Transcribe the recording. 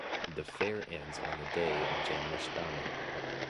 The fair ends on the day of Janmashthami.